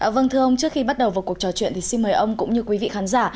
vâng thưa ông trước khi bắt đầu vào cuộc trò chuyện thì xin mời ông cũng như quý vị khán giả